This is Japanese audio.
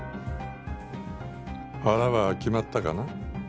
腹は決まったかな？